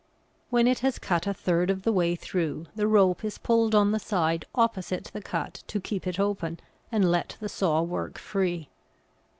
When it has cut a third of the way through, the rope is pulled on the side opposite the cut to keep it open and let the saw work free.